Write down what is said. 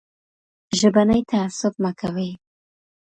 ژبنی تعصب مه کوئ.